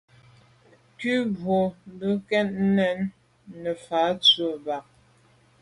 Nku boa mbu ke bèn nefà’ tshob fà’.